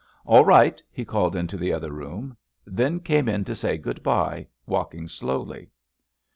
*^ All right/' he called into the other room. Then came in to say good bye, walking slowly.